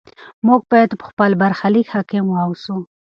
موږ باید په خپل برخلیک حاکم واوسو.